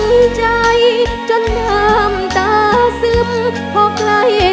ภูมิสุภาพยาบาลภูมิสุภาพยาบาล